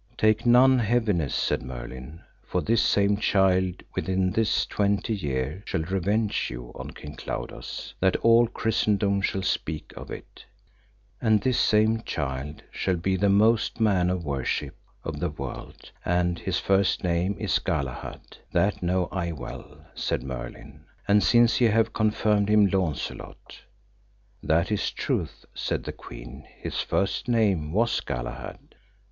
Take none heaviness, said Merlin, for this same child within this twenty year shall revenge you on King Claudas, that all Christendom shall speak of it; and this same child shall be the most man of worship of the world, and his first name is Galahad, that know I well, said Merlin, and since ye have confirmed him Launcelot. That is truth, said the queen, his first name was Galahad.